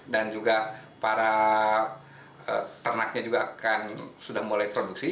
dan juga para ternaknya juga akan sudah mulai produksi